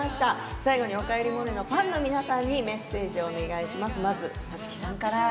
最後に「おかえりモネ」のファンの皆さんにメッセージお願いします。